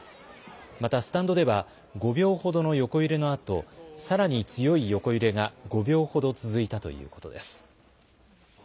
また、スタンドでは、５秒ほどの横揺れのあと、さらに強い横揺れが５秒ほど続いたということです。